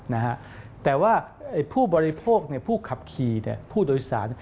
นะฮะแต่ว่าผู้บริโภคผู้ขับขี้ผู้โดยสาร